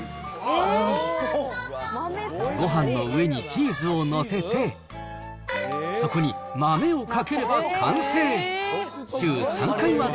ごはんの上にチーズを載せて、そこに豆をかければ完成。